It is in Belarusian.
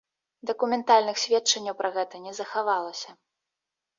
Дакументальных сведчанняў пра гэта не захавалася.